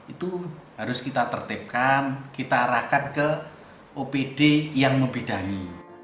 itu harus kita tertipkan kita arahkan ke opd yang membidangi